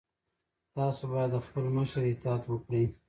تاسو باید د خپل مشر اطاعت وکړئ.